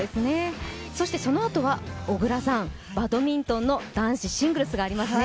そしてそのあとはバドミントンの男子シングルスがありますね。